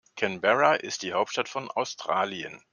Canberra ist die Hauptstadt von Australien.